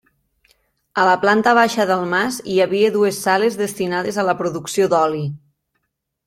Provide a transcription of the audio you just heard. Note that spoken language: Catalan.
A la planta baixa del mas hi havia dues sales destinades a la producció d'oli.